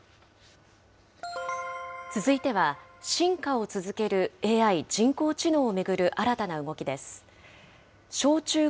続いては進化を続けるＡＩ・人工知能を巡る新たな動きです。